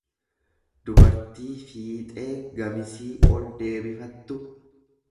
dubartii fiixee gamisii ol deebifattu.